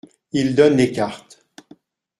Il donne les cartes.